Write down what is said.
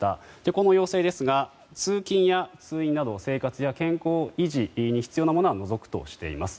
この要請通勤や通院など、生活や健康維持に必要なものは除くとしています。